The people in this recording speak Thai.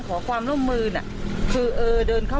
คุณผู้ชมครับ